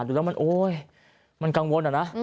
ดูแล้วมันโอ๊ยมันกังวลอะนะ